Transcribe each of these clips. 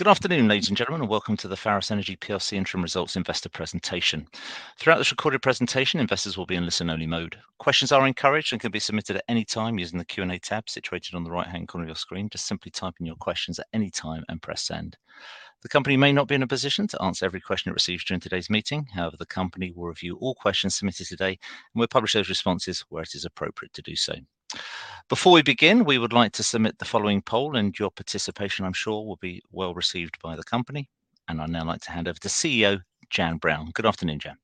Good afternoon, ladies and gentlemen, and welcome to the Pharos Energy plc Interim Results Investor Presentation. Throughout this recorded presentation, investors will be in listen-only mode. Questions are encouraged and can be submitted at any time using the Q&A tab situated on the right-hand corner of your screen. Just simply type in your questions at any time and press send. The company may not be in a position to answer every question it receives during today's meeting. However, the company will review all questions submitted today, and we'll publish those responses where it is appropriate to do so. Before we begin, we would like to submit the following poll, and your participation, I'm sure, will be well-received by the company. I'd now like to hand over to CEO Jann Brown. Good afternoon, Jann.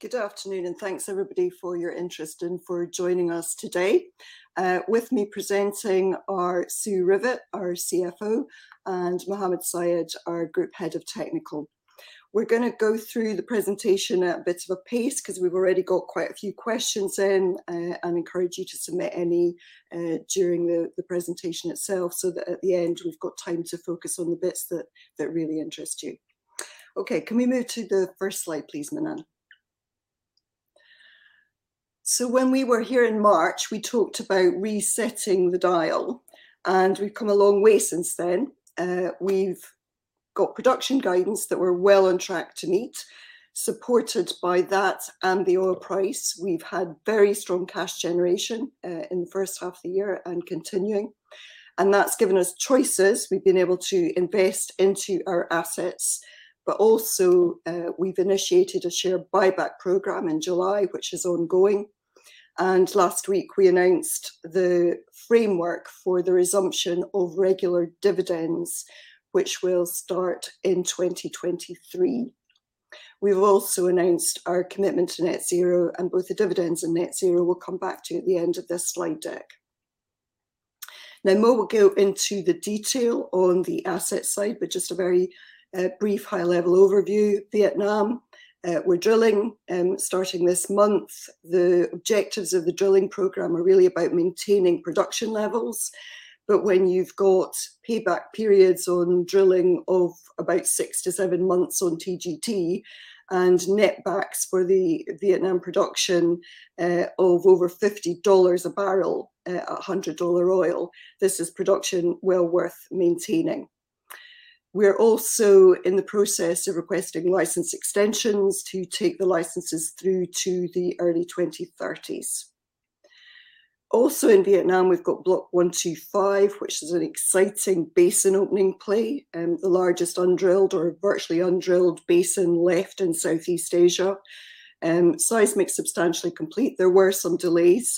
Good afternoon, and thanks, everybody, for your interest and for joining us today. With me presenting are Sue Rivett, our CFO, and Mohamed Sayed, our Group Head of Technical. We're gonna go through the presentation at a bit of a pace because we've already got quite a few questions in, and encourage you to submit any during the presentation itself so that at the end we've got time to focus on the bits that really interest you. Okay. Can we move to the first slide, please, Manan? When we were here in March, we talked about resetting the dial, and we've come a long way since then. We've got production guidance that we're well on track to meet. Supported by that and the oil price, we've had very strong cash generation in the first half of the year and continuing, and that's given us choices. We've been able to invest into our assets, but also, we've initiated a share buyback program in July, which is ongoing. Last week we announced the framework for the resumption of regular dividends, which will start in 2023. We've also announced our commitment to net zero, and both the dividends and net zero we'll come back to at the end of this slide deck. Now, Mo will go into the detail on the asset side, but just a very brief high-level overview. Vietnam, we're drilling starting this month. The objectives of the drilling program are really about maintaining production levels. When you've got payback periods on drilling of about six-seven months on TGT and netbacks for the Vietnam production of over $50 a barrel at $100 oil, this is production well worth maintaining. We're also in the process of requesting license extensions to take the licenses through to the early 2030s. Also in Vietnam, we've got Block 125, which is an exciting basin opening play, the largest undrilled or virtually undrilled basin left in Southeast Asia. Seismic's substantially complete. There were some delays,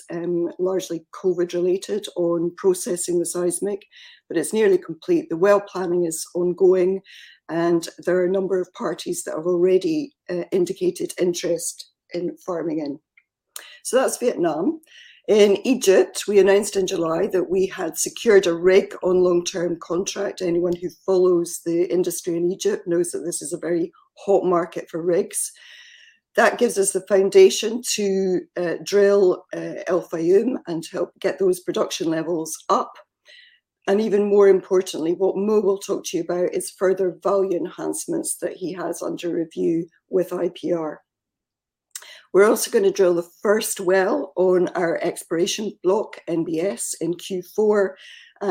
largely COVID-related, on processing the seismic, but it's nearly complete. The well planning is ongoing, and there are a number of parties that have already indicated interest in farming in. So that's Vietnam. In Egypt, we announced in July that we had secured a rig on long-term contract. Anyone who follows the industry in Egypt knows that this is a very hot market for rigs. That gives us the foundation to drill El Fayum and help get those production levels up. Even more importantly, what Mo will talk to you about is further value enhancements that he has under review with IPR. We're also gonna drill the first well on our exploration block, NBS, in Q4.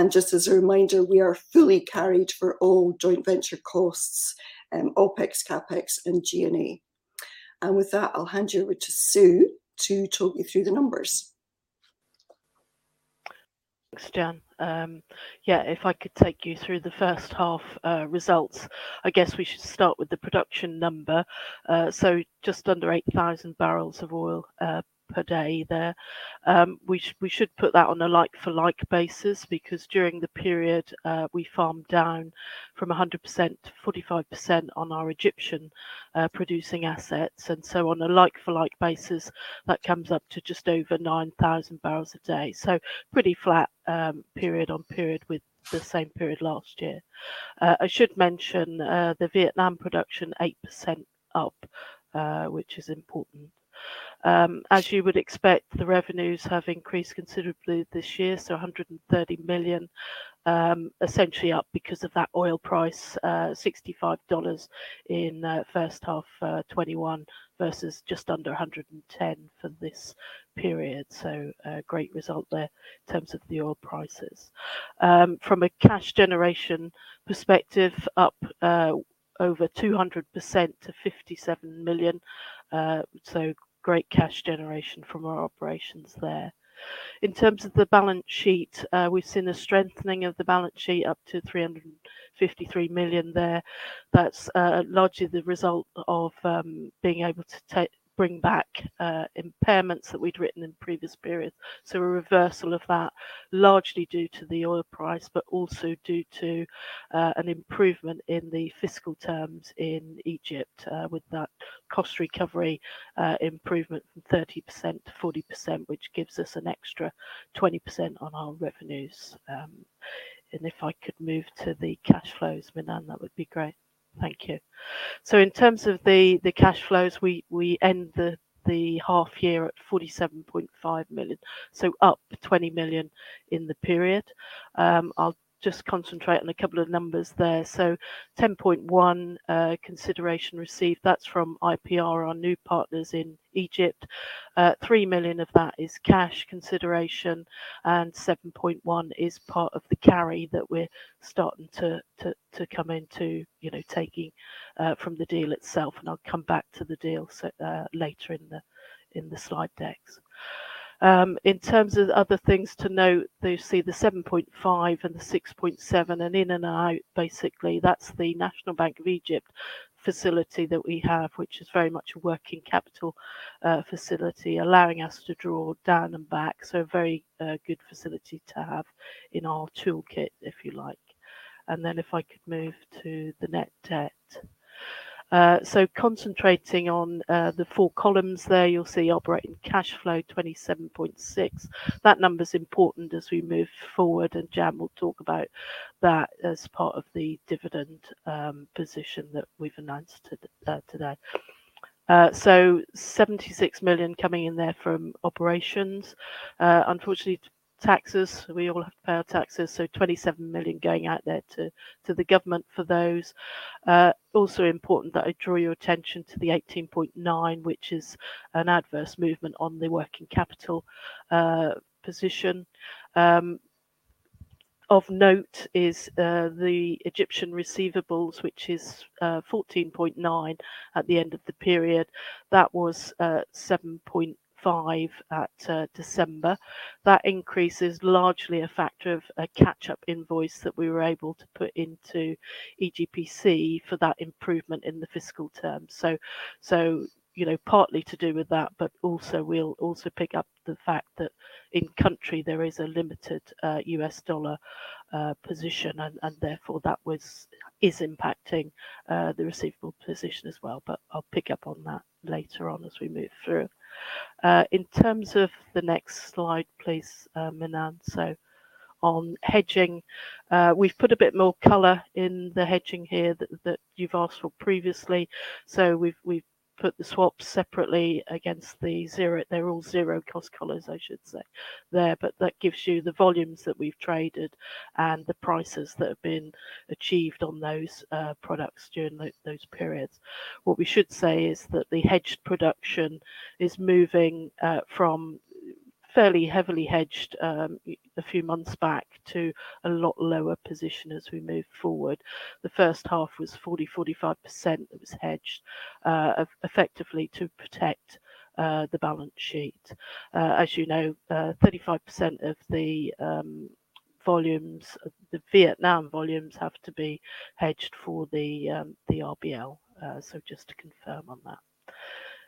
Just as a reminder, we are fully carried for all joint venture costs, OpEx, CapEx, and G&A. With that, I'll hand you over to Sue to talk you through the numbers. Thanks, Jann. Yeah, if I could take you through the first half results. I guess we should start with the production number. Just under 8,000 barrels of oil per day there. We should put that on a like-for-like basis because during the period, we farmed down from 100%-45% on our Egyptian producing assets. On a like-for-like basis, that comes up to just over 9,000 barrels a day. Pretty flat, period-on-period with the same period last year. I should mention the Vietnam production, 8% up, which is important. As you would expect, the revenues have increased considerably this year, $130 million, essentially up because of that oil price, $65 in first half 2021 versus just under $110 for this period. A great result there in terms of the oil prices. From a cash generation perspective, up over 200% to $57 million. Great cash generation from our operations there. In terms of the balance sheet, we've seen a strengthening of the balance sheet up to $353 million there. That's largely the result of being able to bring back impairments that we'd written in previous periods. A reversal of that largely due to the oil price, but also due to an improvement in the fiscal terms in Egypt, with that cost recovery improvement from 30%-40%, which gives us an extra 20% on our revenues. If I could move to the cash flows, Manan, that would be great. Thank you. In terms of the cash flows, we end the half year at $47.5 million, so up $20 million in the period. I'll just concentrate on a couple of numbers there. $10.1 million consideration received. That's from IPR, our new partners in Egypt. $3 million of that is cash consideration, and $7.1 million is part of the carry that we're starting to come into, you know, taking from the deal itself. I'll come back to the deal later in the slide decks. In terms of other things to note, you see the $7.5 million and the $6.7 million in and out, basically, that's the National Bank of Egypt facility that we have, which is very much a working capital facility, allowing us to draw down and back. Very good facility to have in our toolkit, if you like. If I could move to the net debt. Concentrating on the four columns there, you'll see operating cash flow, $27.6 million. That number is important as we move forward, and Jann will talk about that as part of the dividend position that we've announced today. $76 million coming in there from operations. Unfortunately, taxes, we all have to pay our taxes, so $27 million going out there to the government for those. Also important that I draw your attention to the $18.9 million, which is an adverse movement on the working capital position. Of note is the Egyptian receivables, which is $14.9 million at the end of the period. That was $7.5 million at December. That increase is largely a factor of a catch-up invoice that we were able to put into EGPC for that improvement in the fiscal term. You know, partly to do with that, but also we'll pick up the fact that in country, there is a limited U.S. dollar position and therefore that is impacting the receivable position as well. I'll pick up on that later on as we move through. In terms of the next slide, please, Manan. On hedging, we've put a bit more color in the hedging here that you've asked for previously. We've put the swaps separately against the zero. They're all zero cost collars, I should say there. That gives you the volumes that we've traded and the prices that have been achieved on those products during those periods. What we should say is that the hedged production is moving from fairly heavily hedged a few months back to a lot lower position as we move forward. The first half was 45% that was hedged effectively to protect the balance sheet. As you know, 35% of the volumes, the Vietnam volumes have to be hedged for the RBL. Just to confirm on that.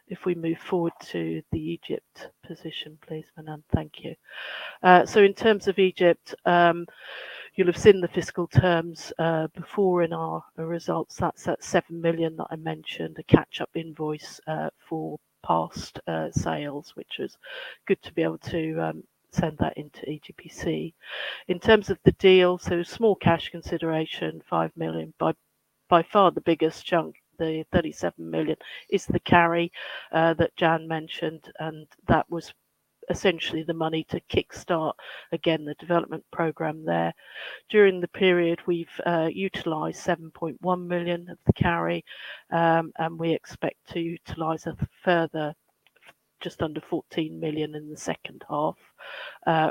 If we move forward to the Egypt position, please, Manan. Thank you. In terms of Egypt, you'll have seen the fiscal terms before in our results. That's the $7 million that I mentioned, the catch-up invoice for past sales, which was good to be able to send that into EGPC. In terms of the deal, small cash consideration, $5 million. By far the biggest chunk, the $37 million, is the carry that Jann mentioned, and that was essentially the money to kickstart again the development program there. During the period, we've utilized $7.1 million of the carry, and we expect to utilize a further just under $14 million in the second half,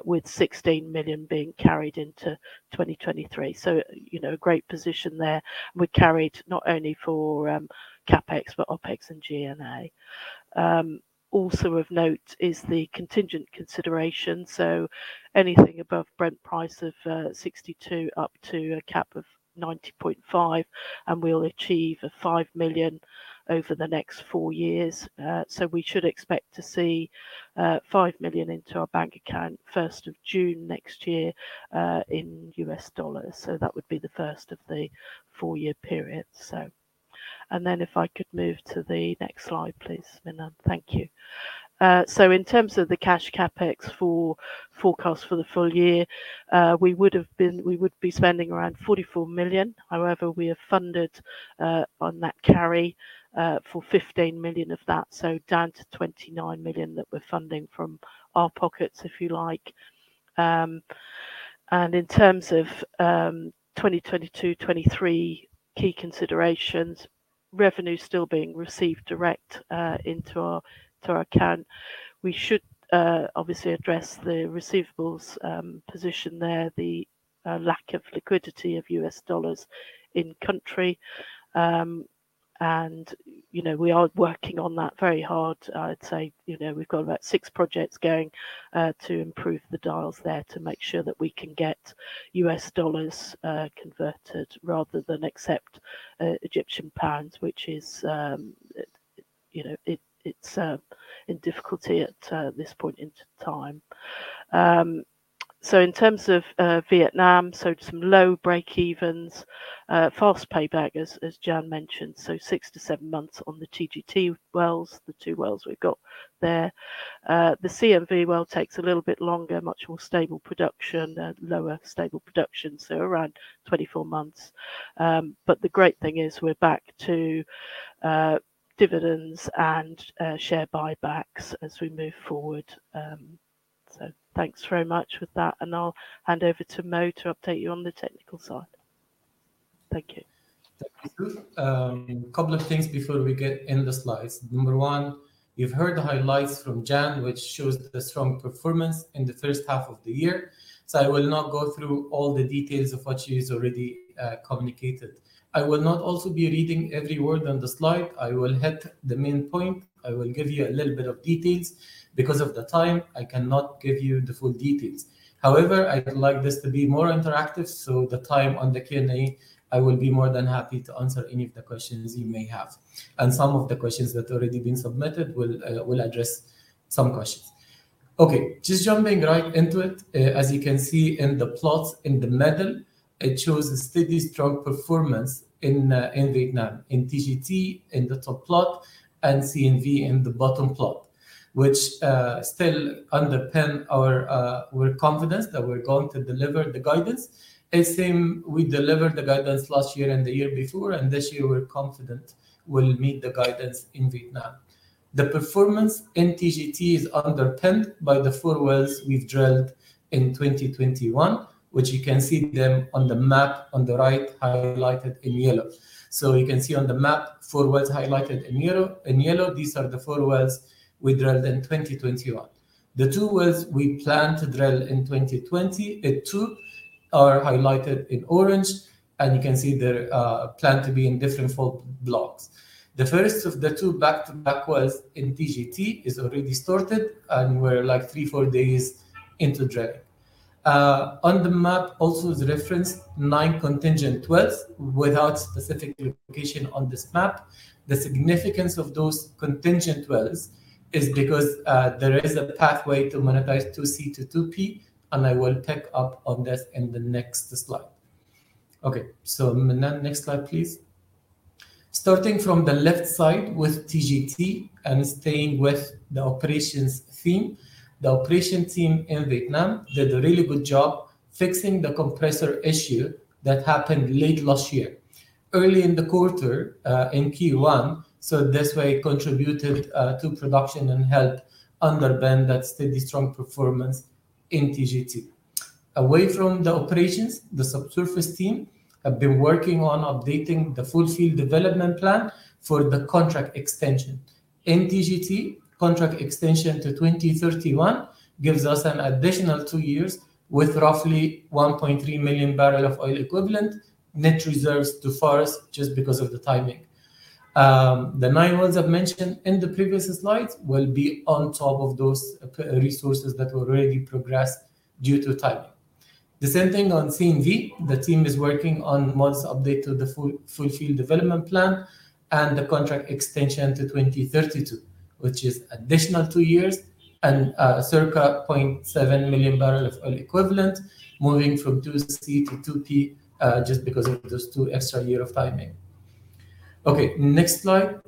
with $16 million being carried into 2023. You know, a great position there. We carried not only for CapEx, but OpEx and G&A. Also of note is the contingent consideration. Anything above Brent price of 62 up to a cap of 90.5, and we'll achieve $5 million over the next four years. We should expect to see $5 million into our bank account first of June next year, in U.S. Dollars. That would be the first of the four-year period. If I could move to the next slide, please, Manan. Thank you. In terms of the cash CapEx forecast for the full year, we would be spending around $44 million. However, we have funded on that carry for $15 million of that, so down to $29 million that we're funding from our pockets, if you like. In terms of 2022, 2023 key considerations, revenue is still being received directly into our account. We should obviously address the receivables position there, the lack of liquidity of U.S. dollars in the country. You know, we are working on that very hard. I'd say, you know, we've got about six projects going to improve the dials there to make sure that we can get U.S. dollars converted rather than accept Egyptian pounds, which is, you know, it's in difficulty at this point in time. In terms of Vietnam, some low breakevens, fast payback as Jann mentioned. six-seven months on the TGT wells, the two wells we've got there. The CNV well takes a little bit longer, much more stable production, lower stable production, so around 24 months. But the great thing is we're back to dividends and share buybacks as we move forward. Thanks very much with that, and I'll hand over to Mo to update you on the technical side. Thank you. Couple of things before we get in the slides. Number one, you've heard the highlights from Jann, which shows the strong performance in the first half of the year. I will not go through all the details of what she has already communicated. I will not also be reading every word on the slide. I will hit the main point. I will give you a little bit of details. Because of the time, I cannot give you the full details. However, I would like this to be more interactive, so the time on the Q&A, I will be more than happy to answer any of the questions you may have. Some of the questions that already been submitted, we'll address some questions. Okay, just jumping right into it. As you can see in the plots in the middle, it shows a steady, strong performance in Vietnam, in TGT in the top plot, and CNV in the bottom plot, which still underpin our confidence that we're going to deliver the guidance. It's the same, we delivered the guidance last year and the year before, and this year we're confident we'll meet the guidance in Vietnam. The performance in TGT is underpinned by the four wells we've drilled in 2021, which you can see them on the map on the right highlighted in yellow. You can see on the map four wells highlighted in yellow. These are the four wells we drilled in 2021. The two wells we plan to drill in 2022 are highlighted in orange, and you can see they're planned to be in different fault blocks. The first of the two back to back wells in TGT is already started, and we're like three, four days into drilling. On the map also is referenced nine contingent wells without specific location on this map. The significance of those contingent wells is because there is a pathway to monetize 2C to 2P, and I will pick up on this in the next slide. Okay, next slide, please. Starting from the left side with TGT and staying with the operations theme, the operation team in Vietnam did a really good job fixing the compressor issue that happened late last year. Early in the quarter in Q1, so this way contributed to production and helped underpin that steady strong performance in TGT. Away from the operations, the subsurface team have been working on updating the full field development plan for the contract extension. In TGT, contract extension to 2031 gives us an additional two years with roughly 1.3 million barrels of oil equivalent net reserves to forecast just because of the timing. The nine wells I've mentioned in the previous slides will be on top of those 2P resources that were already progressed due to timing. The same thing on CNV. The team is working on months update to the full field development plan and the contract extension to 2032, which is additional two years and circa 0.7 million barrels of oil equivalent moving from 2C to 2P just because of those two extra years of timing. Okay, next slide.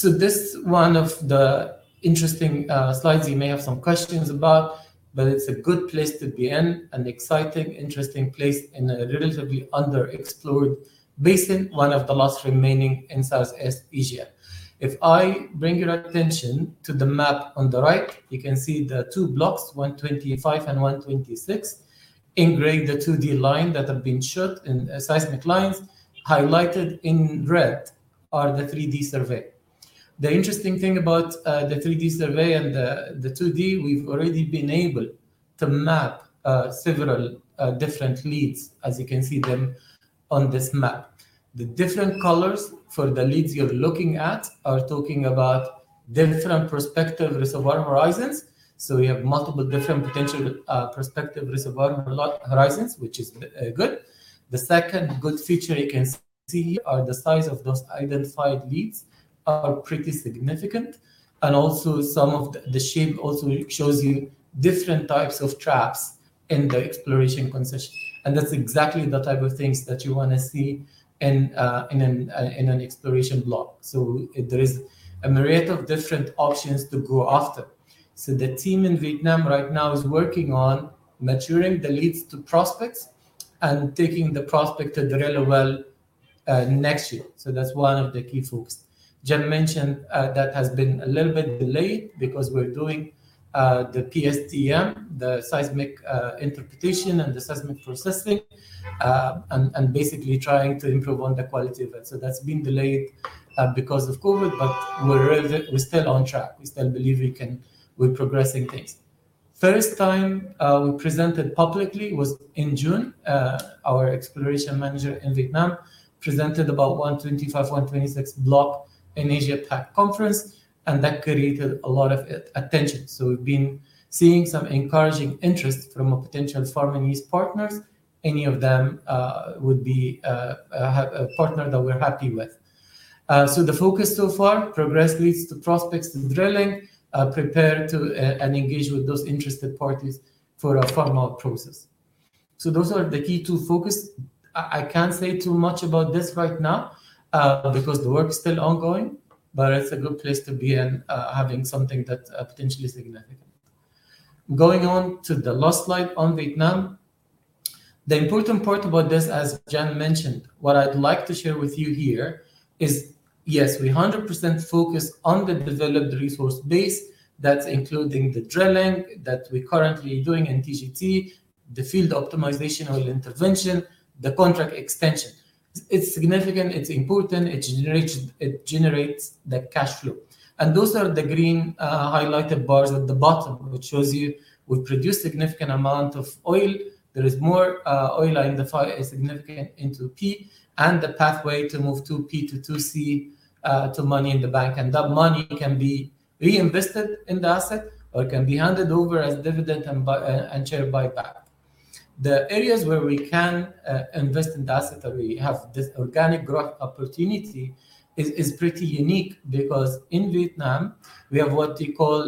This is one of the interesting slides you may have some questions about, but it's a good place to be in, an exciting, interesting place in a relatively underexplored basin, one of the last remaining in Southeast Asia. If I bring your attention to the map on the right, you can see the two blocks, 125 and 126, in gray the 2D lines that have been shot and seismic lines highlighted in red are the 3D survey. The interesting thing about the 3D survey and the 2D, we've already been able to map several different leads, as you can see them on this map. The different colors for the leads you're looking at are talking about different prospective reservoir horizons. We have multiple different potential prospective reservoir horizons, which is good. The second good feature you can see are the size of those identified leads are pretty significant. Also some of the shape also shows you different types of traps in the exploration concession. That's exactly the type of things that you wanna see in an exploration block. There is a myriad of different options to go after. The team in Vietnam right now is working on maturing the leads to prospects and taking the prospect to drill a well next year. That's one of the key focus. Jann mentioned that has been a little bit delayed because we're doing the PSTM, the seismic interpretation and the seismic processing and basically trying to improve on the quality of it. That's been delayed because of COVID, but we're still on track. We still believe we can. We're progressing things. First time we presented publicly was in June. Our exploration manager in Vietnam presented about 125, 126 block in Asia Pacific conference, and that created a lot of attention. We've been seeing some encouraging interest from a potential farm-in partners. Any of them would be a partner that we're happy with. The focus so far, progress leads to prospects to drilling, prepare to, and engage with those interested parties for a farm-out process. Those are the key two focus. I can't say too much about this right now because the work's still ongoing, but it's a good place to be and having something that potentially significant. Going on to the last slide on Vietnam. The important part about this, as Jann mentioned, what I'd like to share with you here is. Yes, we 100% focus on the developed resource base. That's including the drilling that we're currently doing in TGT, the field optimization oil intervention, the contract extension. It's significant, it's important, it generates the cash flow. Those are the green highlighted bars at the bottom, which shows you we produce a significant amount of oil. There is more oil in the field that's significant in 2P, and the pathway to move 2P to 2C to money in the bank. That money can be reinvested in the asset or it can be handed over as dividend and buyback and share buyback. The areas where we can invest in the asset that we have this organic growth opportunity is pretty unique because in Vietnam we have what we call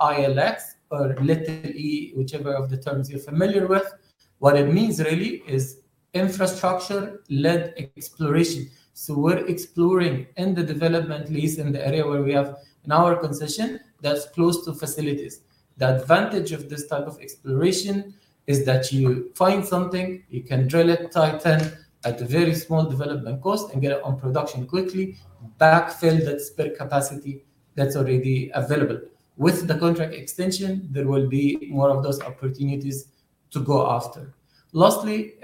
ILX or letter E, whichever of the terms you're familiar with. What it means really is infrastructure-led exploration. We're exploring in the development lease in the area where we have in our concession that's close to facilities. The advantage of this type of exploration is that you find something, you can drill it tight then at a very small development cost and get it on production quickly, backfill that spare capacity that's already available. With the contract extension, there will be more of those opportunities to go after. Lastly,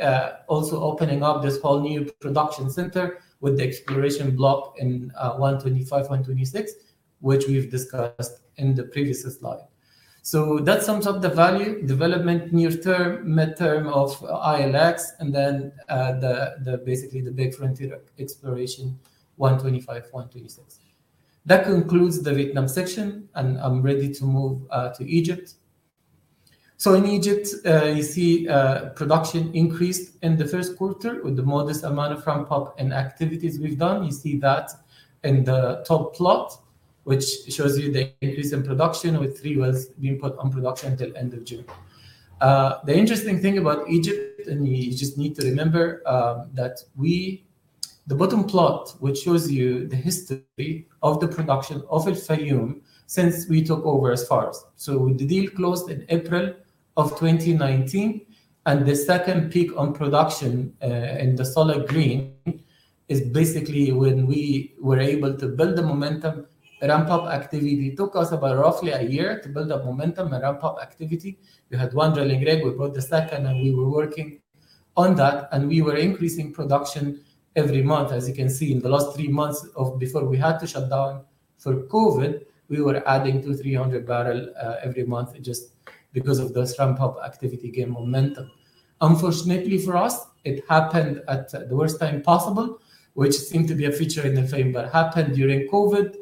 also opening up this whole new production center with the exploration block in 125, 126, which we've discussed in the previous slide. That sums up the value development near term, midterm of ILX and then basically the big frontier exploration 125, 126. That concludes the Vietnam section and I'm ready to move to Egypt. In Egypt, production increased in the first quarter with the modest amount of ramp-up in activities we've done. You see that in the top plot, which shows you the increase in production with three wells being put on production till end of June. The interesting thing about Egypt, and you just need to remember. The bottom plot, which shows you the history of the production of El Fayum since we took over as Pharos. The deal closed in April 2019, and the second peak in production in the solid green is basically when we were able to build the momentum, ramp-up activity. It took us about roughly a year to build up momentum and ramp-up activity. We had one drilling rig, we brought the second, and we were working on that, and we were increasing production every month. As you can see, in the last three months before we had to shut down for COVID, we were adding 200-300 barrels every month just because of this ramp-up activity gaining momentum. Unfortunately for us, it happened at the worst time possible, which seemed to be a feature and theme, but happened during COVID,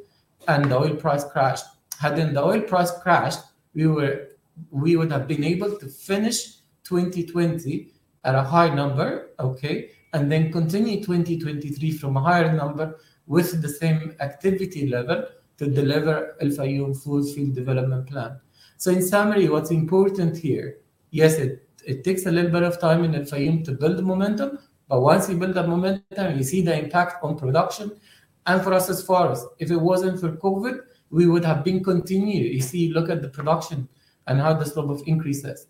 and the oil price crashed. Hadn't the oil price crashed, we would have been able to finish 2020 at a high number, okay? Then continue 2023 from a higher number with the same activity level to deliver El Fayum full field development plan. In summary, what's important here, yes, it takes a little bit of time in El Fayum to build the momentum, but once you build the momentum, you see the impact on production. For us as Pharos, if it wasn't for COVID, we would have been continuing. You see, look at the production and how the slope of increases.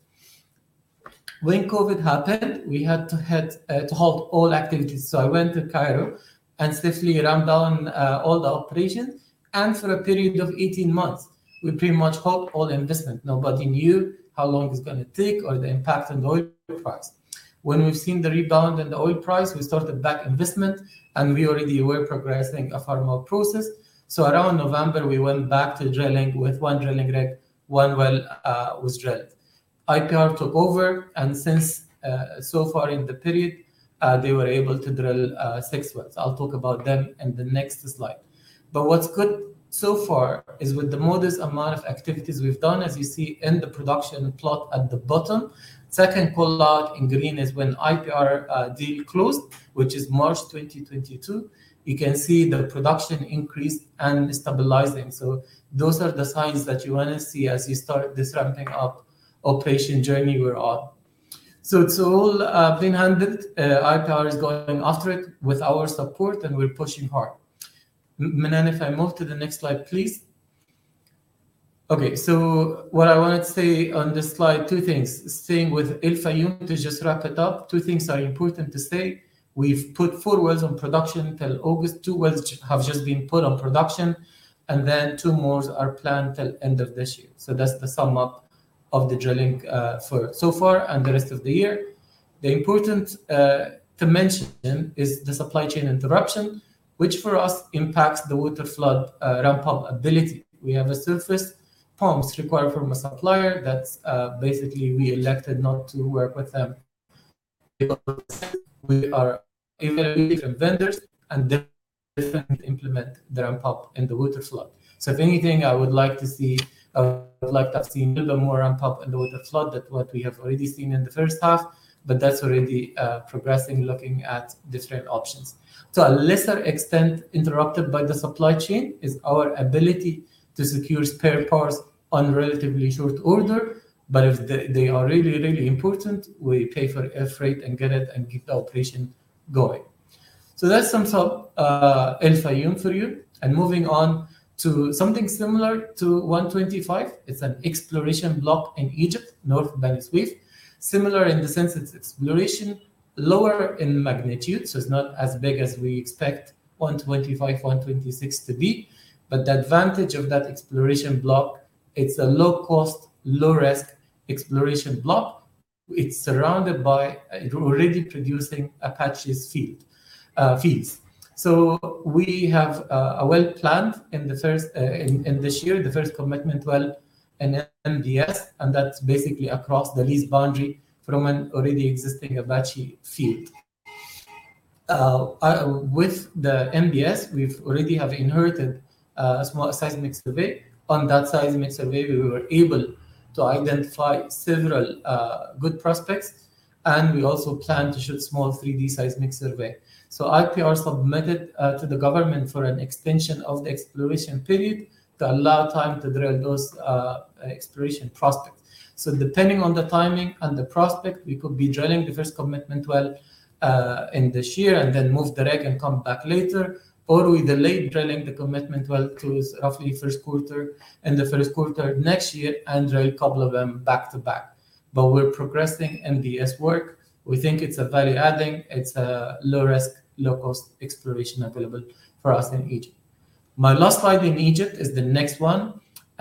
When COVID happened, we had to halt all activities. I went to Cairo and safely ramped down all the operations. For a period of 18 months, we pretty much halt all the investment. Nobody knew how long it's gonna take or the impact on the oil price. When we've seen the rebound in the oil price, we started back investment, and we already were progressing a farm-out process. Around November, we went back to drilling with one drilling rig, one well was drilled. IPR took over and since so far in the period, they were able to drill six wells. I'll talk about them in the next slide. What's good so far is with the modest amount of activities we've done, as you see in the production plot at the bottom. Second plot in green is when IPR deal closed, which is March 2022. You can see the production increased and is stabilizing. Those are the signs that you want to see as you start this ramping up operation journey we're on. It's all being handled. IPR is going after it with our support, and we're pushing hard. Manan, if I move to the next slide, please. Okay. What I wanted to say on this slide, two things. Staying with El Fayum, to just wrap it up, two things are important to state. We've put four wells on production till August. Two wells have just been put on production, and then two more are planned till end of this year. That's the sum up of the drilling, for so far and the rest of the year. The important to mention is the supply chain interruption, which for us impacts the waterflood ramp-up ability. We have surface pumps required from a supplier that's basically we elected not to work with them because we are evaluating different vendors and different implement the ramp-up in the waterflood. If anything, I would like to see, like I've seen a little more ramp-up in the waterflood than what we have already seen in the first half, but that's already progressing, looking at different options. To a lesser extent interrupted by the supply chain is our ability to secure spare parts on relatively short order. But if they are really important, we pay for air freight and get it and keep the operation going. That sums up El Fayum for you. Moving on to something similar to 125. It's an exploration block in Egypt, North Beni Suef. Similar in the sense it's exploration, lower in magnitude, so it's not as big as we expect 125, 126 to be. But the advantage of that exploration block, it's a low cost, low risk exploration block. It's surrounded by already producing Apache fields. We have a well planned in the first in this year, the first commitment well in NBS, and that's basically across the lease boundary from an already existing Apache field. With the NBS, we've already inherited a small seismic survey. On that seismic survey, we were able to identify several good prospects, and we also plan to shoot small 3D seismic survey. IPR submitted to the government for an extension of the exploration period to allow time to drill those exploration prospects. Depending on the timing and the prospect, we could be drilling the first commitment well in this year and then move the rig and come back later or we delay drilling the commitment well to roughly first quarter, in the first quarter next year, and drill a couple of them back to back. We're progressing NBS work. We think it's a value-adding. It's a low-risk, low-cost exploration available for us in Egypt. My last slide in Egypt is the next one.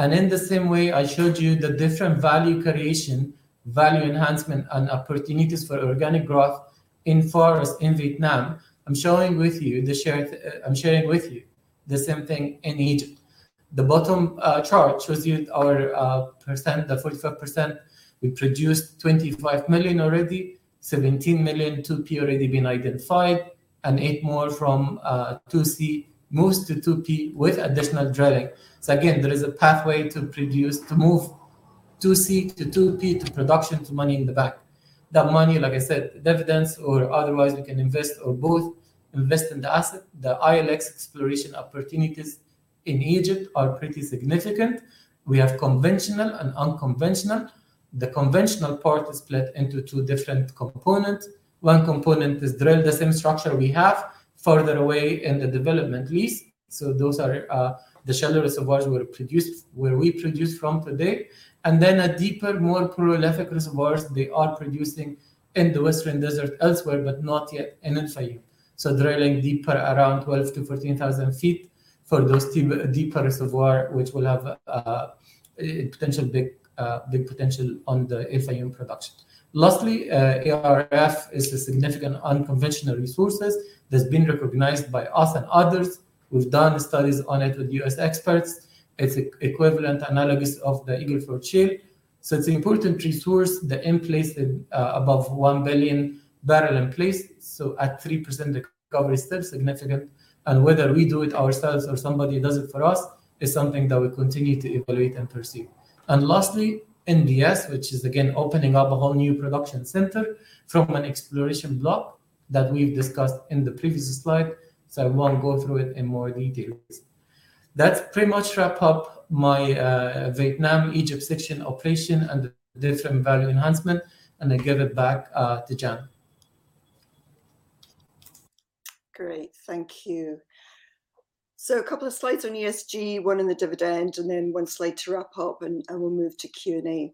In the same way I showed you the different value creation, value enhancement, and opportunities for organic growth in Pharos's in Vietnam, I'm sharing with you the same thing in Egypt. The bottom chart shows you our percent, the 45%. We produced 25 million already, 17 million 2P already been identified, and eight more from 2C moves to 2P with additional drilling. Again, there is a pathway to produce, to move 2C to 2P to production to money in the bank. That money, like I said, dividends or otherwise we can invest or both invest in the asset. The ILX exploration opportunities in Egypt are pretty significant. We have conventional and unconventional. The conventional part is split into two different components. One component is drill the same structure we have further away in the development lease. Those are the shallow reservoirs where we produce from today. Then a deeper, more prolific reservoirs, they are producing in the Western Desert elsewhere, but not yet in El Fayum. Drilling deeper around 12,000-14,000 feet for those deeper reservoir, which will have a potential big, big potential on the El Fayum production. Lastly, ARF is the significant unconventional resources that's been recognized by us and others. We've done studies on it with U.S. experts. It's equivalent analogous of the Eagle Ford Shale. It's an important resource. The in place above 1 billion barrel in place. At 3% recovery, still significant. Whether we do it ourselves or somebody does it for us is something that we continue to evaluate and pursue. Lastly, NBS, which is again opening up a whole new production center from an exploration block that we've discussed in the previous slide. I won't go through it in more details. That pretty much wrap up my Vietnam, Egypt section operation and the different value enhancement. I give it back to Jann. Great. Thank you. A couple of slides on ESG, one on the dividend, and then one slide to wrap up, and we'll move to Q&A.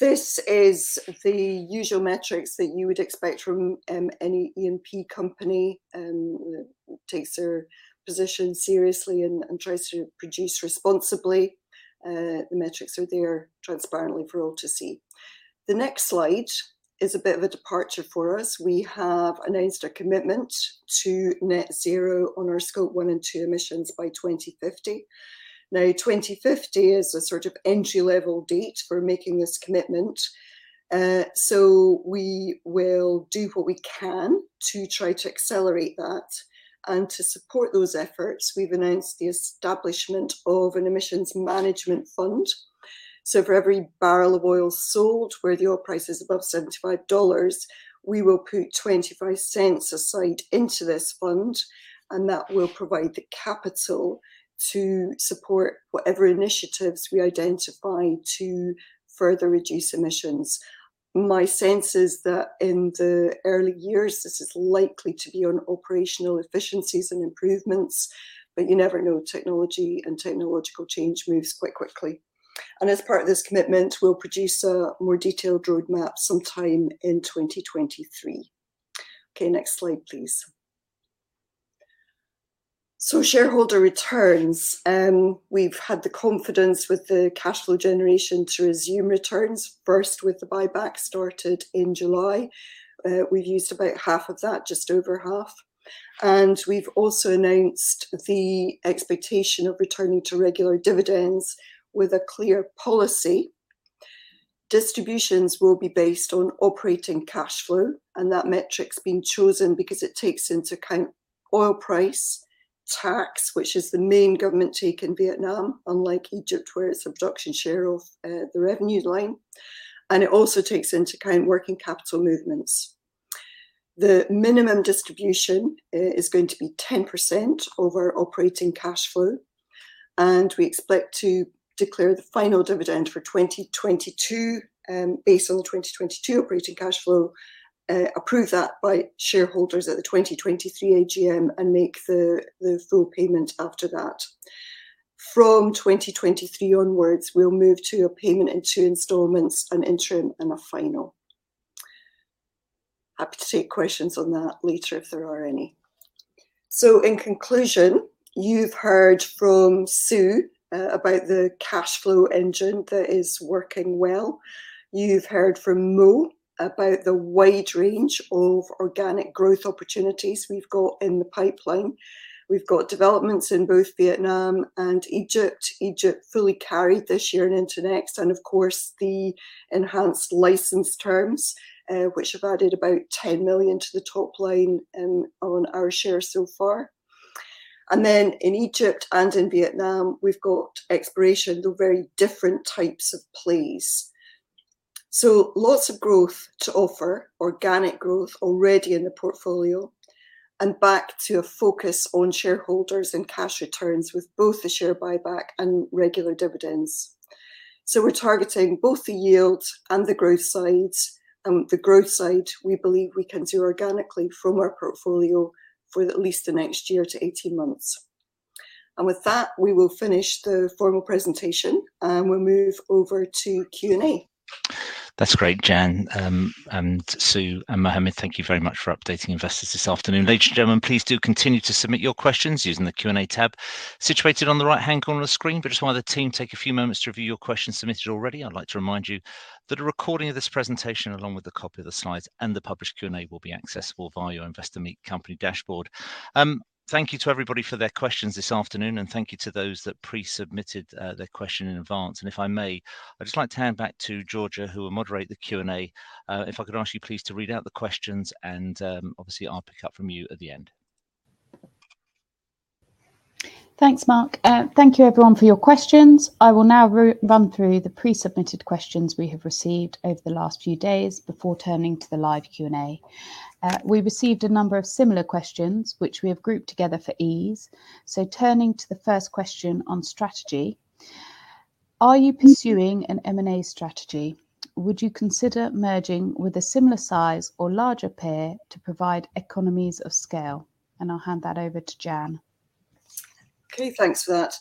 This is the usual metrics that you would expect from any E&P company, takes their position seriously and tries to produce responsibly. The metrics are there transparently for all to see. The next slide is a bit of a departure for us. We have announced a commitment to net zero on our Scope 1 and 2 emissions by 2050. Now, 2050 is a sort of entry-level date for making this commitment. We will do what we can to try to accelerate that. To support those efforts, we've announced the establishment of an Emissions Management Fund. For every barrel of oil sold where the oil price is above $75, we will put $0.25 aside into this fund, and that will provide the capital to support whatever initiatives we identify to further reduce emissions. My sense is that in the early years, this is likely to be on operational efficiencies and improvements, but you never know, technology and technological change moves quite quickly. As part of this commitment, we'll produce a more detailed roadmap sometime in 2023. Okay, next slide, please. Shareholder returns. We've had the confidence with the cash flow generation to resume returns, first with the buyback started in July. We've used about half of that, just over half. We've also announced the expectation of returning to regular dividends with a clear policy. Distributions will be based on operating cash flow, and that metric's been chosen because it takes into account oil price, tax, which is the main government take in Vietnam, unlike Egypt, where it's a production share of the revenue line. It also takes into account working capital movements. The minimum distribution is going to be 10% of our operating cash flow. We expect to declare the final dividend for 2022, based on the 2022 operating cash flow, approve that by shareholders at the 2023 AGM, and make the full payment after that. From 2023 onwards, we'll move to a payment in two installments, an interim and a final. Happy to take questions on that later if there are any. In conclusion, you've heard from Sue about the cash flow engine that is working well. You've heard from Mo about the wide range of organic growth opportunities we've got in the pipeline. We've got developments in both Vietnam and Egypt. Egypt fully carried this year and into next, and of course, the enhanced license terms, which have added about $10 million to the top line, on our share so far. In Egypt and in Vietnam, we've got exploration through very different types of plays. Lots of growth to offer, organic growth already in the portfolio, and back to a focus on shareholders and cash returns with both the share buyback and regular dividends. We're targeting both the yield and the growth side. The growth side, we believe we can do organically from our portfolio for at least the next year to 18 months. With that, we will finish the formal presentation, and we'll move over to Q&A. That's great, Jann. Sue and Mohamed, thank you very much for updating investors this afternoon. Ladies and gentlemen, please do continue to submit your questions using the Q&A tab situated on the right-hand corner of the screen, but just while the team take a few moments to review your questions submitted already, I'd like to remind you that a recording of this presentation, along with a copy of the slides and the published Q&A, will be accessible via your Investor Meet Company dashboard. Thank you to everybody for their questions this afternoon, and thank you to those that pre-submitted their question in advance. If I may, I'd just like to hand back to Georgia, who will moderate the Q&A. If I could ask you please to read out the questions and, obviously I'll pick up from you at the end. Thanks, Manan. Thank you everyone for your questions. I will now run through the pre-submitted questions we have received over the last few days before turning to the live Q&A. We received a number of similar questions, which we have grouped together for ease. Turning to the first question on strategy: Are you pursuing an M&A strategy? Would you consider merging with a similar size or larger peer to provide economies of scale? I'll hand that over to Jann. Okay. Thanks for that.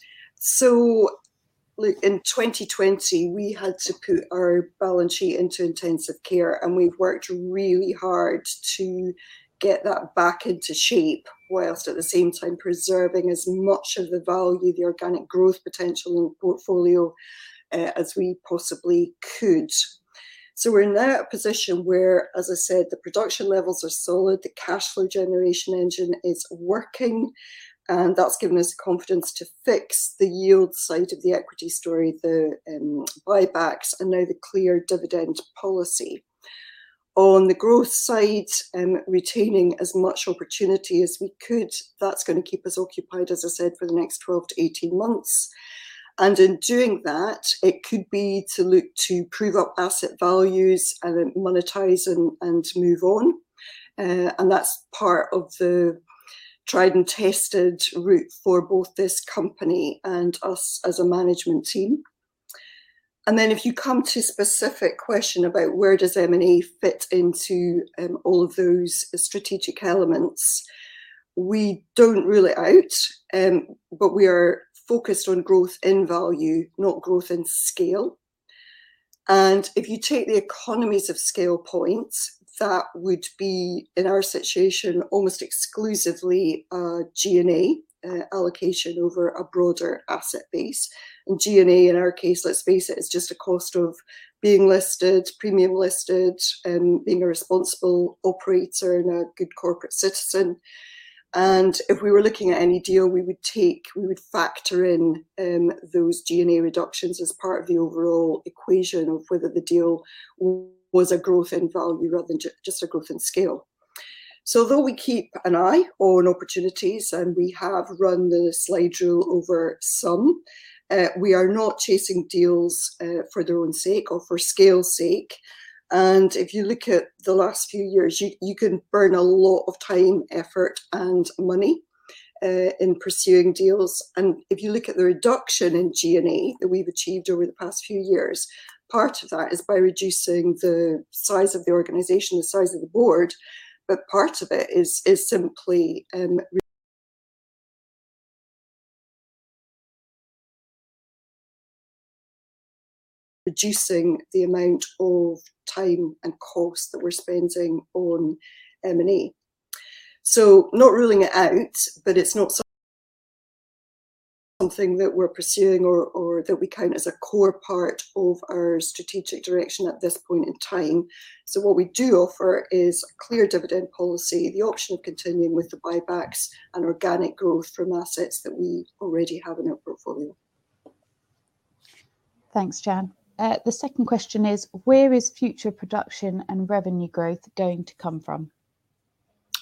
Look, in 2020, we had to put our balance sheet into intensive care, and we've worked really hard to get that back into shape, while at the same time preserving as much of the value, the organic growth potential in the portfolio, as we possibly could. We're now at a position where, as I said, the production levels are solid, the cash flow generation engine is working, and that's given us the confidence to fix the yield side of the equity story, the buybacks and now the clear dividend policy. On the growth side, retaining as much opportunity as we could, that's gonna keep us occupied, as I said, for the next 12-18 months. In doing that, it could be to look to prove up asset values and then monetize and move on. That's part of the tried and tested route for both this company and us as a management team. Then if you come to specific question about where does M&A fit into, all of those strategic elements, we don't rule it out, but we are focused on growth in value, not growth in scale. If you take the economies of scale points, that would be, in our situation, almost exclusively, G&A allocation over a broader asset base. G&A, in our case, let's face it, is just a cost of being listed, premium listed, being a responsible operator and a good corporate citizen. If we were looking at any deal we would take, we would factor in those G&A reductions as part of the overall equation of whether the deal was a growth in value rather than just a growth in scale. Although we keep an eye on opportunities, and we have run the slide rule over some, we are not chasing deals for their own sake or for scale sake. If you look at the last few years, you can burn a lot of time, effort, and money in pursuing deals. If you look at the reduction in G&A that we've achieved over the past few years, part of that is by reducing the size of the organization, the size of the board, but part of it is simply reducing the amount of time and cost that we're spending on M&A. Not ruling it out, but it's not something that we're pursuing or that we count as a core part of our strategic direction at this point in time. What we do offer is a clear dividend policy, the option of continuing with the buybacks and organic growth from assets that we already have in our portfolio. Thanks, Jann. The second question is: Where is future production and revenue growth going to come from?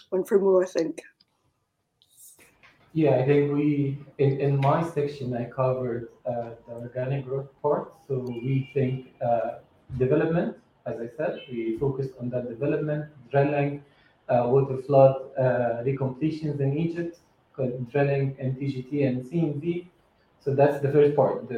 One for Mo, I think. Yeah. In my section, I covered the organic growth part. We think development, as I said, we focused on that development, drilling, waterflood, recompletions in Egypt, drilling TGT and CNV. That's the first part,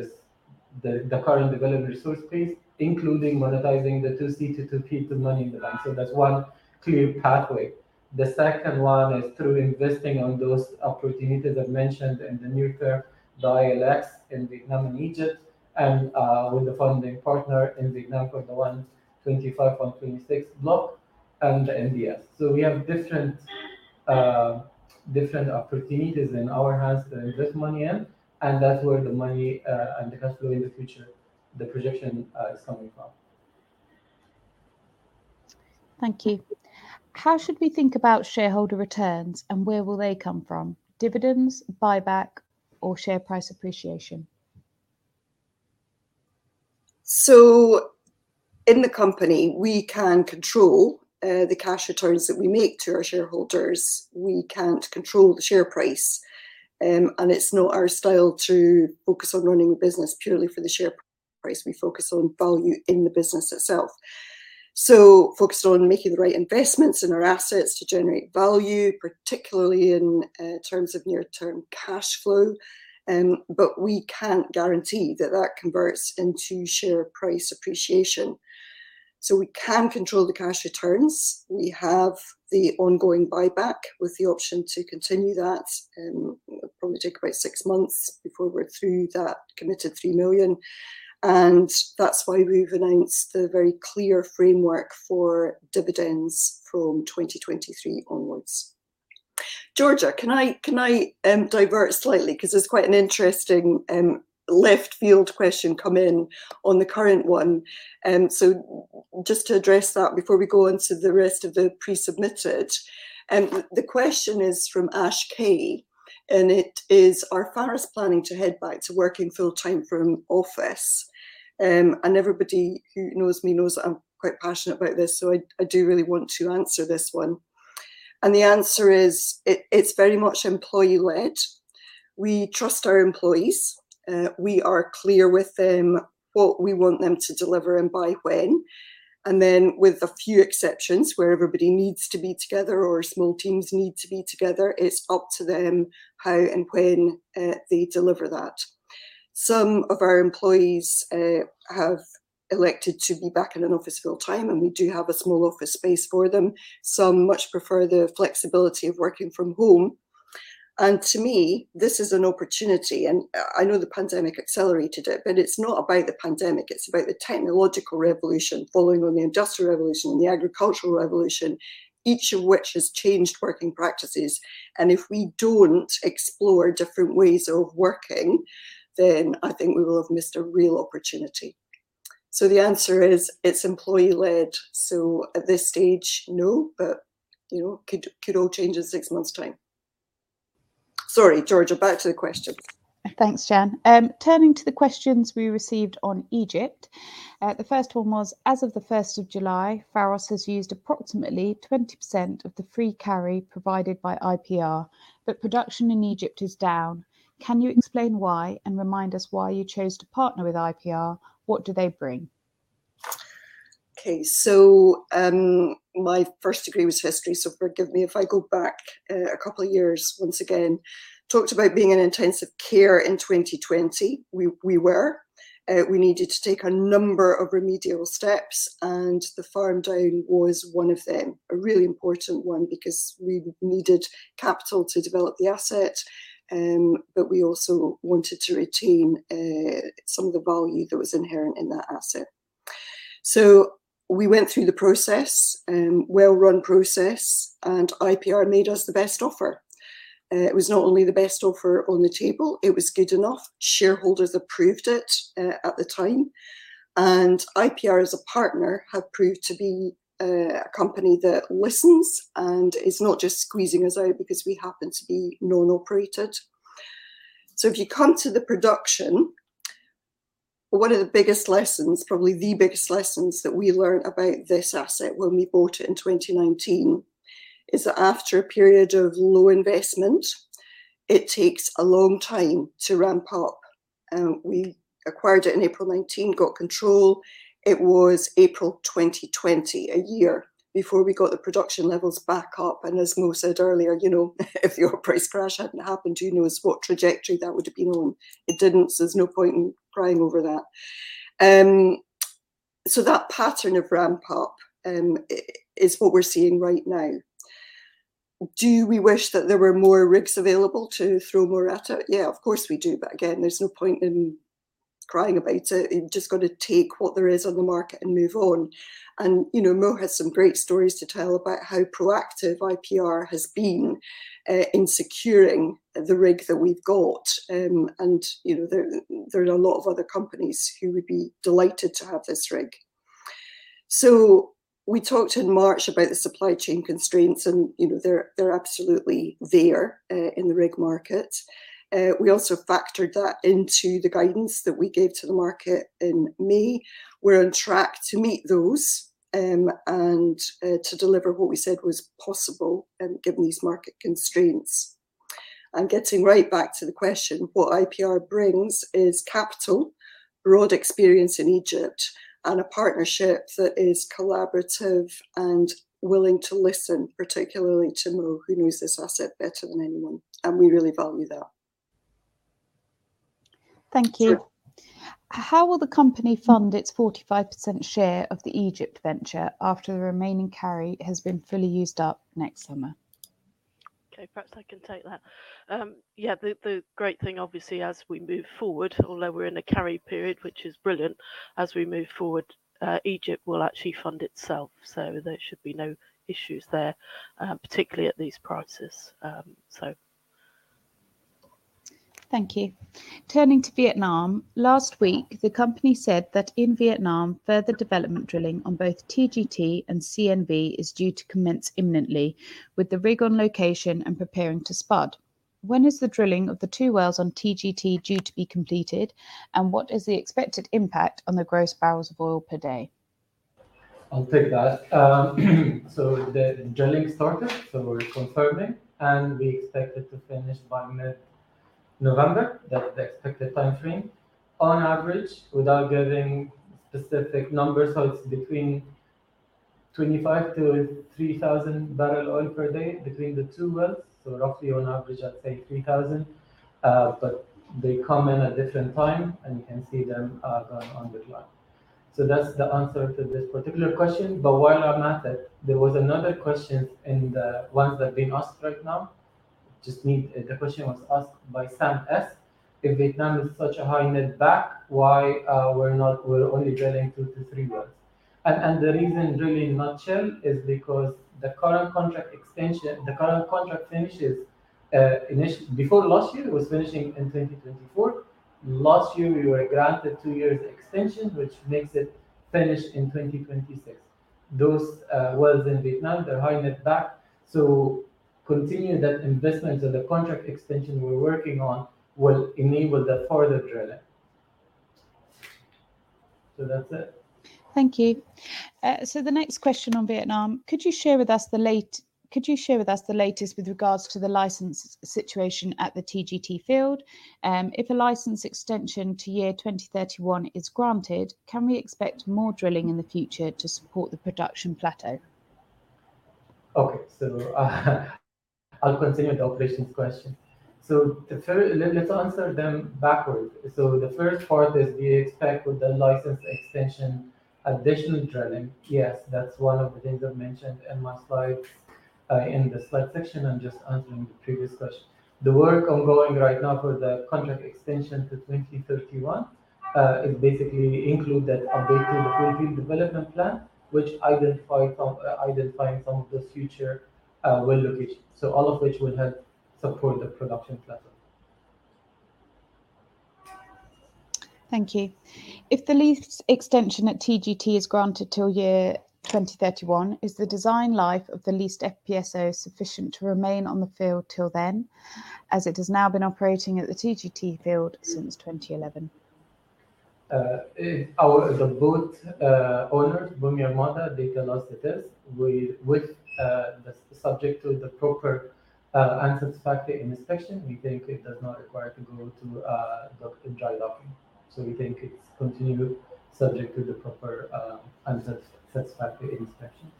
the current development resource base, including monetizing the 2C to 2P to money in the bank. That's one clear pathway. The second one is through investing in those opportunities I've mentioned in the near term, the ILX in Vietnam and Egypt, and with the funding partner in Vietnam for the 125, 126 block and the NBS. We have different opportunities in our hands to invest money in, and that's where the money and the cash flow in the future, the projection is coming from. Thank you. How should we think about shareholder returns and where will they come from? Dividends, buyback or share price appreciation? In the company, we can control the cash returns that we make to our shareholders. We can't control the share price. It's not our style to focus on running a business purely for the share price. We focus on value in the business itself. Focused on making the right investments in our assets to generate value, particularly in terms of near-term cash flow. We can't guarantee that that converts into share price appreciation. We can control the cash returns. We have the ongoing buyback with the option to continue that. It'll probably take about six months before we're through that committed 3 million. That's why we've announced a very clear framework for dividends from 2023 onwards. Georgia, can I divert slightly? Because there's quite an interesting left field question come in on the current one. So just to address that before we go into the rest of the pre-submitted. The question is from Ash Kaye, and it is, "Are Pharos planning to head back to working full-time from office?" Everybody who knows me knows that I'm quite passionate about this, so I do really want to answer this one. The answer is, it's very much employee-led. We trust our employees. We are clear with them what we want them to deliver and by when. Then with a few exceptions, where everybody needs to be together or small teams need to be together, it's up to them how and when they deliver that. Some of our employees have elected to be back in an office full time, and we do have a small office space for them. Some much prefer the flexibility of working from home. To me, this is an opportunity, and I know the pandemic accelerated it, but it's not about the pandemic. It's about the technological revolution following on the industrial revolution and the agricultural revolution, each of which has changed working practices. If we don't explore different ways of working, then I think we will have missed a real opportunity. The answer is, it's employee-led. At this stage, no, but, you know, could all change in six months' time. Sorry, Georgia, back to the question. Thanks, Jann. Turning to the questions we received on Egypt. The first one was, as of the first of July, Pharos has used approximately 20% of the free carry provided by IPR, but production in Egypt is down. Can you explain why and remind us why you chose to partner with IPR? What do they bring? Okay. My first degree was history, so forgive me if I go back, a couple of years once again. Talked about being in intensive care in 2020. We were. We needed to take a number of remedial steps, and the farm down was one of them. A really important one because we needed capital to develop the asset, but we also wanted to retain, some of the value that was inherent in that asset. We went through the process, well-run process, and IPR made us the best offer. It was not only the best offer on the table, it was good enough. Shareholders approved it, at the time. IPR as a partner have proved to be, a company that listens and is not just squeezing us out because we happen to be non-operated. If you come to the production, one of the biggest lessons, probably the biggest lessons that we learned about this asset when we bought it in 2019, is that after a period of low investment, it takes a long time to ramp up. We acquired it in April 2019, got control. It was April 2020, a year before we got the production levels back up. As Mo said earlier, you know, if the oil price crash hadn't happened, who knows what trajectory that would have been on. It didn't, so there's no point in crying over that. That pattern of ramp up is what we're seeing right now. Do we wish that there were more rigs available to throw more at it? Yeah, of course we do. Again, there's no point in crying about it. You've just got to take what there is on the market and move on. You know, Mo has some great stories to tell about how proactive IPR has been in securing the rig that we've got. You know, there are a lot of other companies who would be delighted to have this rig. We talked in March about the supply chain constraints and, you know, they're absolutely there in the rig market. We also factored that into the guidance that we gave to the market in May. We're on track to meet those and to deliver what we said was possible given these market constraints. Getting right back to the question, what IPR brings is capital, broad experience in Egypt, and a partnership that is collaborative and willing to listen, particularly to Mo, who knows this asset better than anyone. We really value that. Thank you. Sure. How will the company fund its 45% share of the Egypt venture after the remaining carry has been fully used up next summer? Okay, perhaps I can take that. The great thing obviously as we move forward, although we're in a carry period, which is brilliant, as we move forward, Egypt will actually fund itself, so there should be no issues there, particularly at these prices. Thank you. Turning to Vietnam. Last week, the company said that in Vietnam, further development drilling on both TGT and CNV is due to commence imminently with the rig on location and preparing to spud. When is the drilling of the two wells on TGT due to be completed, and what is the expected impact on the gross barrels of oil per day? I'll take that. The drilling started, we're confirming, and we expect it to finish by mid-November. That's the expected time frame. On average, without giving specific numbers, it's between 25-3,000 barrels of oil per day between the two wells. Roughly on average, I'd say 3,000. But they come in at different times, and you can see them on the slide. That's the answer to this particular question. While I'm at it, there was another question in the ones that have been asked right now. The question was asked by Sam S. If Vietnam is such a high netback, why we're only drilling two-three wells? The reason really in a nutshell is because the current contract finishes before last year. It was finishing in 2024. Last year, we were granted two years extension, which makes it finish in 2026. Those wells in Vietnam, they're high netback. Continuing that investment, the contract extension we're working on will enable that further drilling. That's it. Thank you. The next question on Vietnam. Could you share with us the latest with regards to the license situation at the TGT field? If a license extension to year 2031 is granted, can we expect more drilling in the future to support the production plateau? Okay. I'll continue with the operations question. Let's answer them backward. The first part is, do you expect with the license extension additional drilling? Yes. That's one of the things I've mentioned in my slides, in the slide section. I'm just answering the previous question. The work ongoing right now for the contract extension to 2031, it basically includes that updated field development plan, which identifies some of the future well locations. All of which will help support the production plateau. Thank you. If the lease extension at TGT is granted till year 2031, is the design life of the leased FPSO sufficient to remain on the field till then, as it has now been operating at the TGT field since 2011? Our boat owners, Bumi Armada, tell us it is. Subject to the proper satisfactory inspection, we think it does not require to go to dock, dry docking. We think it can continue subject to the proper satisfactory inspection.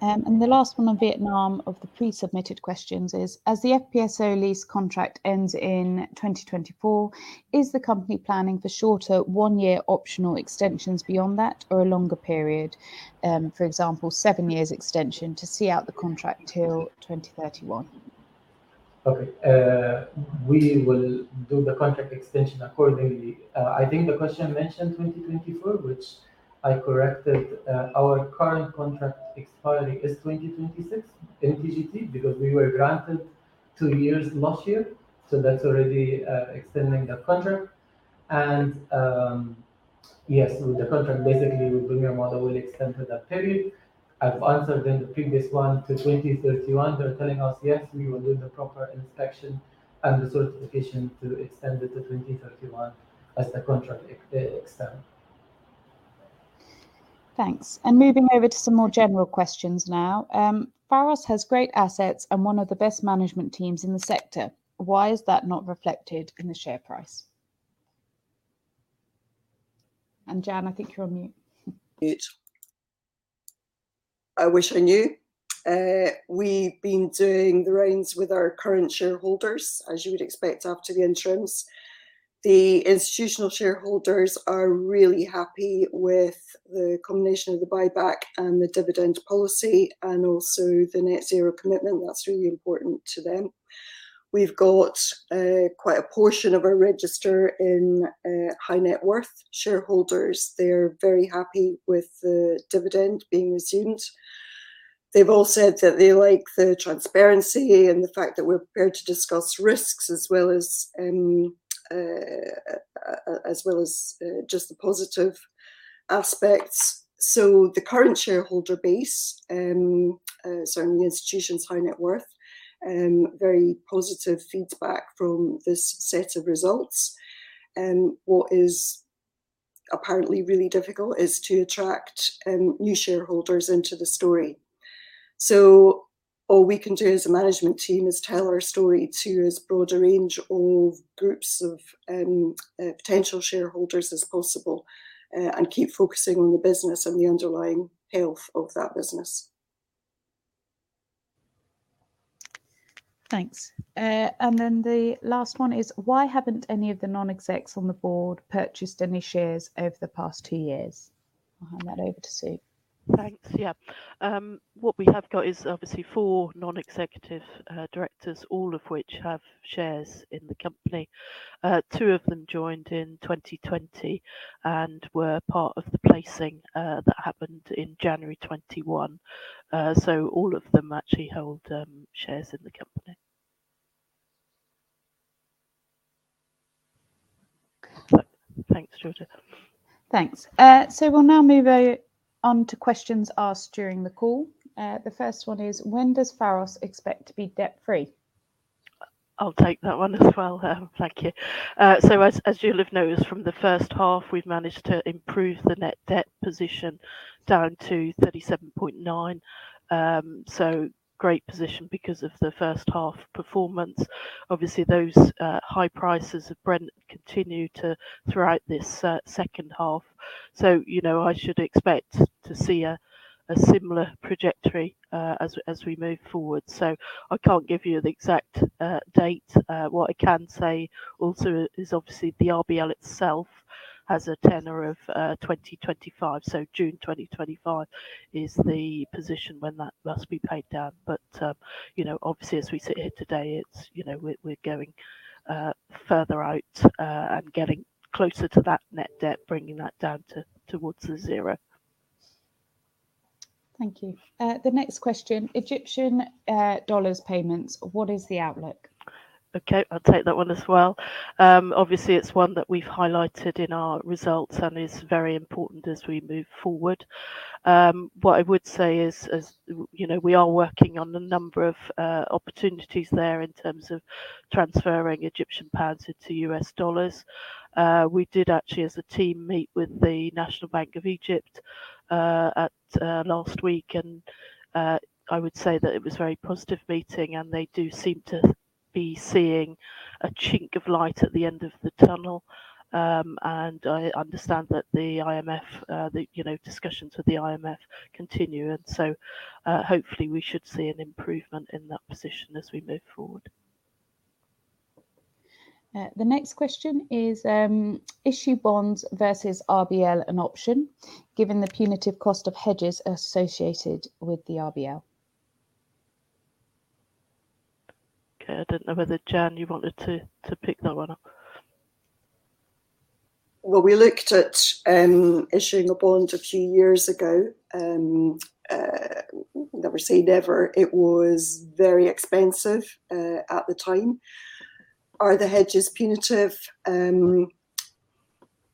The last one on Vietnam of the pre-submitted questions is, as the FPSO lease contract ends in 2024, is the company planning for shorter one-year optional extensions beyond that or a longer period, for example, seven years extension to see out the contract till 2031? Okay. We will do the contract extension accordingly. I think the question mentioned 2024, which I corrected. Our current contract expiry is 2026 in TGT because we were granted two years last year. That's already extending the contract. Yes, the contract basically with Bumi Armada will extend to that period. I've answered in the previous one to 2031. They're telling us, yes, we will do the proper inspection and the certification to extend it to 2031 as the contract extend. Thanks. Moving over to some more general questions now. Pharos has great assets and one of the best management teams in the sector. Why is that not reflected in the share price? Jann, I think you're on mute. Mute. I wish I knew. We've been doing the rounds with our current shareholders, as you would expect after the interim. The institutional shareholders are really happy with the combination of the buyback and the dividend policy and also the net zero commitment. That's really important to them. We've got quite a portion of our register in high net worth shareholders. They're very happy with the dividend being resumed. They've all said that they like the transparency and the fact that we're prepared to discuss risks as well as just the positive aspects. The current shareholder base certainly institutions high net worth very positive feedback from this set of results. What is apparently really difficult is to attract new shareholders into the story. All we can do as a management team is tell our story to as broad a range of groups of potential shareholders as possible, and keep focusing on the business and the underlying health of that business. Thanks. The last one is: Why haven't any of the non-execs on the board purchased any shares over the past two years? I'll hand that over to Sue. Thanks. Yeah. What we have got is obviously four non-executive directors, all of which have shares in the company. Two of them joined in 2020 and were part of the placing that happened in January 2021. All of them actually hold shares in the company. Thanks, Georgia. Thanks. We'll now move on to questions asked during the call. The first one is: When does Pharos expect to be debt-free? I'll take that one as well. Thank you. As you'll have noticed from the first half, we've managed to improve the net debt position down to $37.9. Great position because of the first half performance. Obviously, those high prices of Brent continue throughout this second half. You know, I should expect to see a similar trajectory as we move forward. I can't give you the exact date. What I can say also is obviously the RBL itself has a tenor of 2025, so June 2025 is the position when that must be paid down. But you know, obviously, as we sit here today, it's you know, we're going further out and getting closer to that net debt, bringing that down towards zero. Thank you. The next question. Egyptian pounds payments, what is the outlook? Okay, I'll take that one as well. Obviously, it's one that we've highlighted in our results and is very important as we move forward. What I would say is, as you know, we are working on a number of opportunities there in terms of transferring Egyptian pounds into U.S. dollars. We did actually, as a team, meet with the National Bank of Egypt at last week, and I would say that it was a very positive meeting, and they do seem to be seeing a chink of light at the end of the tunnel. I understand that the IMF, you know, discussions with the IMF continue. Hopefully, we should see an improvement in that position as we move forward. The next question is: Issue bonds versus RBL an option, given the punitive cost of hedges associated with the RBL? Okay. I don't know whether, Jann, you wanted to pick that one up. Well, we looked at issuing a bond a few years ago. Never say never. It was very expensive at the time. Are the hedges punitive?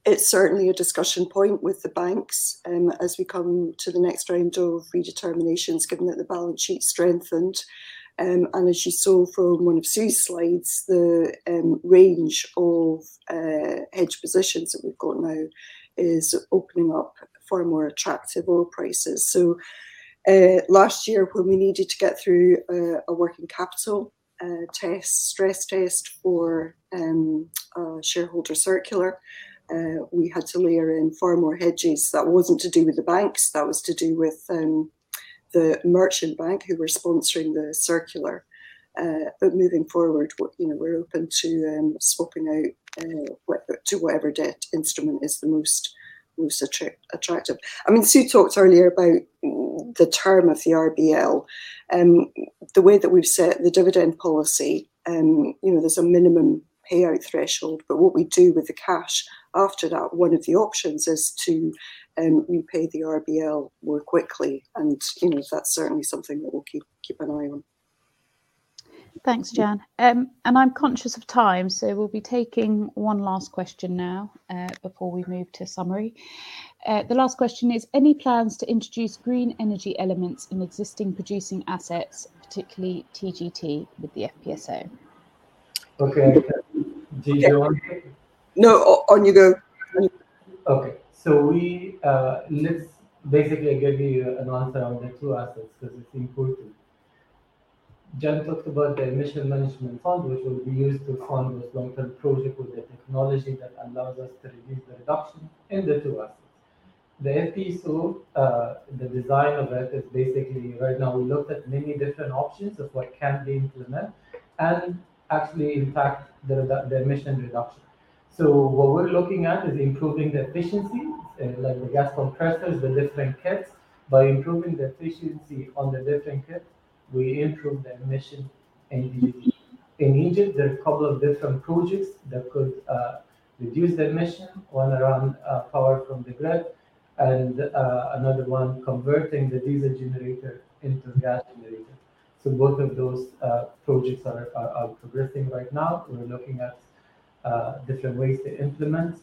It's certainly a discussion point with the banks as we come to the next round of redeterminations, given that the balance sheet strengthened. As you saw from one of Sue's slides, the range of hedge positions that we've got now is opening up far more attractive oil prices. Last year, when we needed to get through a working capital stress test for a shareholder circular, we had to layer in far more hedges. That wasn't to do with the banks. That was to do with the merchant bank who were sponsoring the circular. Moving forward, we, you know, we're open to swapping out to whatever debt instrument is the most attractive. I mean, Sue talked earlier about the term of the RBL. The way that we've set the dividend policy, you know, there's a minimum payout threshold. What we do with the cash after that, one of the options is to repay the RBL more quickly. You know, that's certainly something that we'll keep an eye on. Thanks, Jann. I'm conscious of time, so we'll be taking one last question now, before we move to summary. The last question is: Any plans to introduce green energy elements in existing producing assets, particularly TGT with the FPSO? Okay. Do you want to take it? No. On you go. On you go. Okay. Let's basically give you an answer on the two assets 'cause it's important. Jann talked about the Emissions Management Fund, which will be used to fund this long-term project with the technology that allows us to reduce emissions in the two assets. The FPSO, the design of it is basically, right now, we looked at many different options of what can be implemented and actually impact the emissions reduction. What we're looking at is improving the efficiency, like the gas compressors, the different kits. By improving the efficiency on the different kits, we reduce emissions immediately. In Egypt, there are a couple of different projects that could reduce emissions, one around power from the grid and another one converting the diesel generator into gas generator. Both of those projects are progressing right now. We're looking at different ways to implement.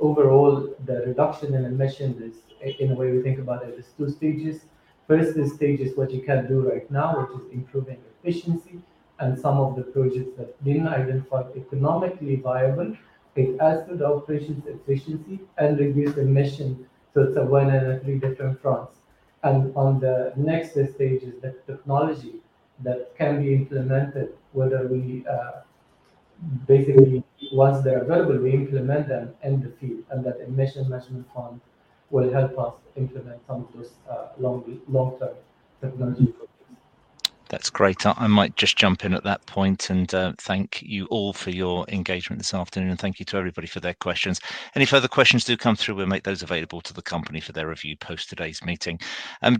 Overall, the reduction in emission, in the way we think about it, is two stages. First stage is what you can do right now, which is improving efficiency and some of the projects that Dean identified, economically viable. It adds to the operations efficiency and reduce emission. It's a win on three different fronts. On the next stage is the technology that can be implemented. Basically, once they're available, we implement them in the field, and that Emissions Management Fund will help us implement some of those long-term technology projects. That's great. I might just jump in at that point and thank you all for your engagement this afternoon, and thank you to everybody for their questions. Any further questions do come through, we'll make those available to the company for their review post today's meeting.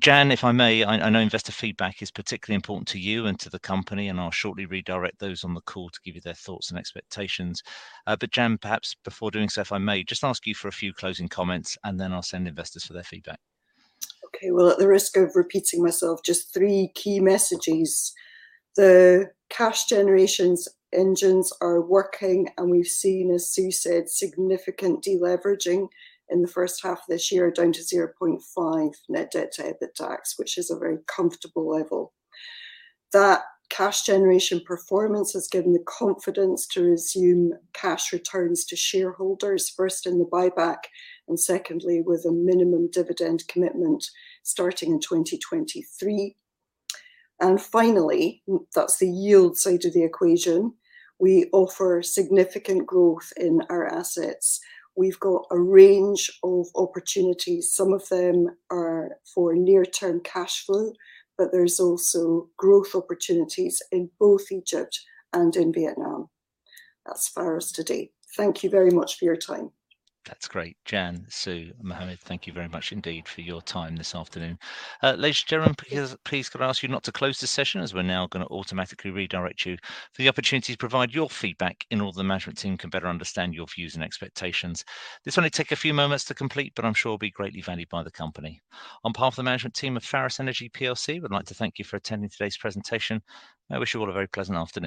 Jann, if I may, I know investor feedback is particularly important to you and to the company, and I'll shortly redirect those on the call to give you their thoughts and expectations. Jann, perhaps before doing so, if I may, just ask you for a few closing comments, and then I'll send investors for their feedback. Okay. Well, at the risk of repeating myself, just three key messages. The cash generation engines are working, and we've seen, as Sue said, significant de-leveraging in the first half of this year, down to 0.5 net debt-to-EBITDA, which is a very comfortable level. That cash generation performance has given the confidence to resume cash returns to shareholders, first in the buyback, and secondly, with a minimum dividend commitment starting in 2023. Finally, that's the yield side of the equation, we offer significant growth in our assets. We've got a range of opportunities. Some of them are for near-term cash flow, but there's also growth opportunities in both Egypt and in Vietnam. That's Pharos today. Thank you very much for your time. That's great. Jann, Sue, Mohamed, thank you very much indeed for your time this afternoon. Ladies and gentlemen, please can I ask you not to close this session as we're now gonna automatically redirect you for the opportunity to provide your feedback in order the management team can better understand your views and expectations. This will only take a few moments to complete, but I'm sure it'll be greatly valued by the company. On behalf of the management team of Pharos Energy PLC, we'd like to thank you for attending today's presentation. I wish you all a very pleasant afternoon.